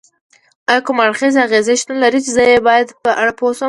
ایا کوم اړخیزې اغیزې شتون لري چې زه یې باید په اړه پوه شم؟